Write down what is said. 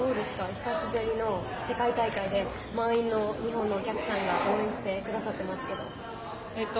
久しぶりの世界大会で満員の日本のお客さんが応援してくださっていますが。